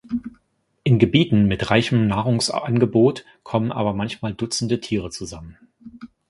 In Gebieten mit reichem Nahrungsangebot kommen aber manchmal dutzende Tiere zusammen.